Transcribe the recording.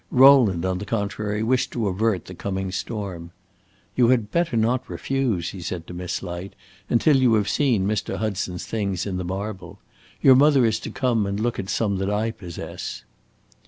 Rowland, on the contrary, wished to avert the coming storm. "You had better not refuse," he said to Miss Light, "until you have seen Mr. Hudson's things in the marble. Your mother is to come and look at some that I possess."